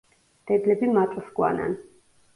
დედლები მატლს ჰგვანან.